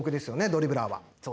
ドリブラーは。